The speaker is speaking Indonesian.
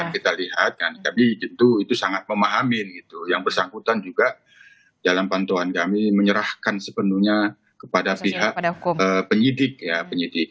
kita lihat dan kami tentu itu sangat memahamin yang bersangkutan juga dalam pantauan kami menyerahkan sepenuhnya kepada pihak penyidik ya penyidik